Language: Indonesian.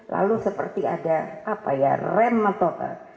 lalu seperti ada rem atau apa